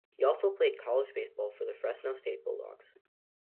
He also played college baseball for the Fresno State Bulldogs.